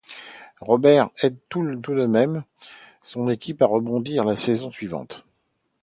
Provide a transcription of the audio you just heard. Roberts aide tout de même son équipe à rebondir la saison suivante.